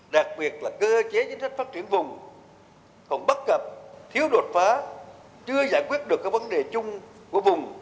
đặc biệt là cơ chế chính sách phát triển vùng còn bất cập thiếu đột phá chưa giải quyết được các vấn đề chung của vùng